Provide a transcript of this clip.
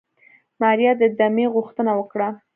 ماريا د دمې غوښتنه وکړه.